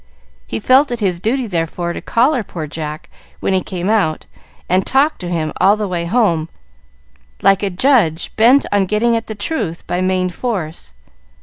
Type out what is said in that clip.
He felt it his duty, therefore, to collar poor Jack when he came out, and talk to him all the way home, like a judge bent on getting at the truth by main force.